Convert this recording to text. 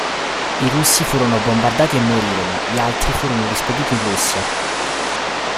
I russi furono bombardati e morirono, gli altri furono rispediti in Russia.